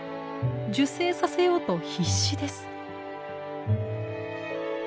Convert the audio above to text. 受精させようと必死です。